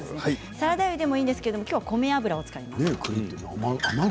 サラダ油でもいいんですがきょうは米油を使います。